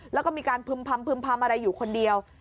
แล้วก็มีการพึ่งพัมอะไรอยู่คนเดียว